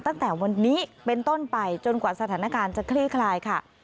ตั้งแต่วันนี้เป็นต้นไปจนกว่าสถานการณ์จะคลี่คลายค่ะ